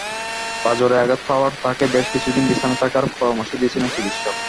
পাঁজরে আঘাত পাওয়ায় তাঁকে বেশ কিছুদিন বিশ্রামে থাকার পরামর্শই দিয়েছিলেন চিকিৎসক।